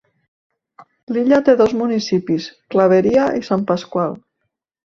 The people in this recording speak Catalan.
L'illa té dos municipis, Clavería i San Pascual.